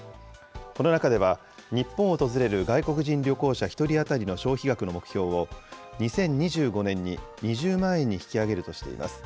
この中では、日本を訪れる外国人旅行者１人当たりの消費額の目標を、２０２５年に２０万円に引き上げるとしています。